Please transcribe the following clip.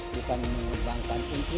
bukan mengembangkan intrik